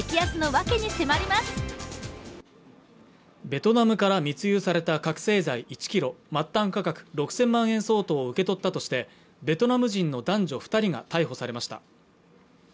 ベトナムから密輸された覚醒剤１キロ末端価格６０００万円相当を受け取ったとしてベトナム人の男女二人が逮捕されました